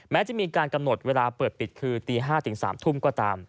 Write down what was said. แม้จะมีการกำหนดเวลาเปิดปิดคือตี๕ถึง๓ทุ่มก็ตาม